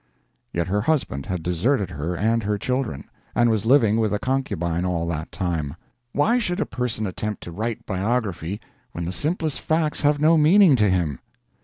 Yet her husband had deserted her and her children, and was living with a concubine all that time! Why should a person attempt to write biography when the simplest facts have no meaning to him?